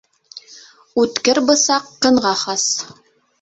Үткер бысаҡ ҡынға хас.